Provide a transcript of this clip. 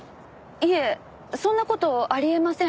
いえそんな事あり得ません。